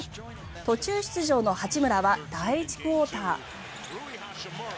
途中出場の八村は第１クオーター。